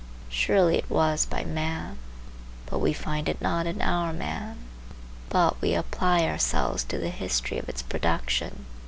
Surely it was by man, but we find it not in our man. But we apply ourselves to the history of its production.